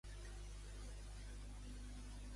Només l'inspecciona el professor Birack?